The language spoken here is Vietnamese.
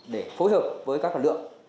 để phối hợp với các quân binh chủ